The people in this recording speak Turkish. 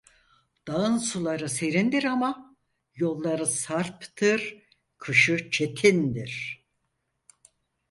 Dağın suları serindir ama, yolları sarptır, kışı çetindir…